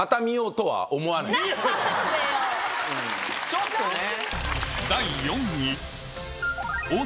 ちょっとね。